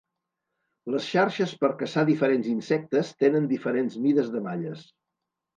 Les xarxes per caçar diferents insectes tenen diferents mides de malles.